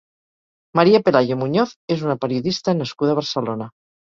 María Pelayo Muñoz és una periodista nascuda a Barcelona.